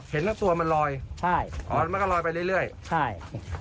เห็นแล้วตัวมันลอยใช่อ๋อมันก็ลอยไปเรื่อยใช่